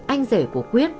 anh rể của quyết